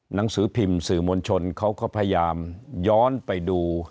หนังสือพิมพ์สื่อมวลชนเขาก็พยายามย้อนไปดู